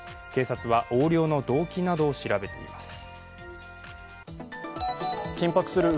警察は横領の動機などを調べています。